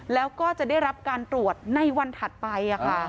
แล้วก็จะได้รับการตรวจในวันถัดไป